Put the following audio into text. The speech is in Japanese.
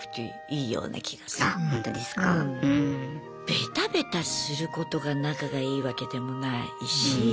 ベタベタすることが仲がいいわけでもないし。